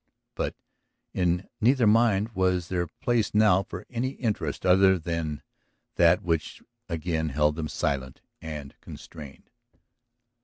But in neither mind was there place now for any interest other than that which again held them silent and constrained.